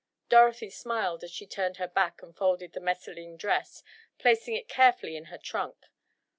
Dorothy smiled as she turned her back and folded the messaline dress, placing it carefully in her trunk.